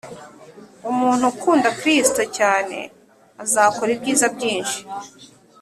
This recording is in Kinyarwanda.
umuntu ukunda kristo cyane azakora ibyiza byinshi